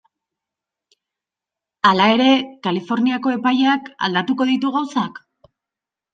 Hala ere, Kaliforniako epaiak aldatuko ditu gauzak?